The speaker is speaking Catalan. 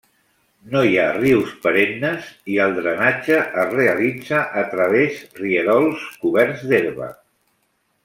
No hi ha rius perennes i el drenatge es realitza a través rierols coberts d'herba.